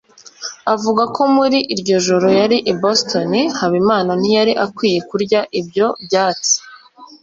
avuga ko muri iryo joro yari i Boston. Habimana ntiyari akwiye kurya ibyo byatsi.